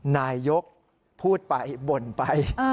นายกพูดไปบ่นไป